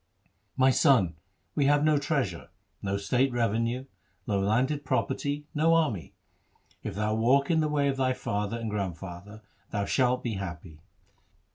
' My son, we have no treasure, no state revenue, no landed property, no army. If thou walk in the way of thy father and grand father, thou shalt be happy.'